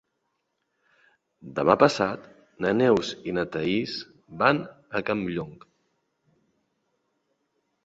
Demà passat na Neus i na Thaís van a Campllong.